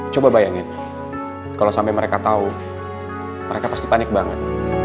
coba bayangin kalau sampai mereka tahu mereka pasti panik banget